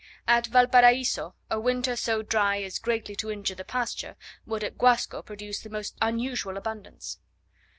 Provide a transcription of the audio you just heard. At Valparaiso a winter so dry as greatly to injure the pasture, would at Guasco produce the most unusual abundance.